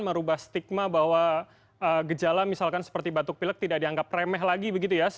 merubah stigma bahwa gejala misalkan seperti batuk pilek tidak dianggap remeh lagi begitu ya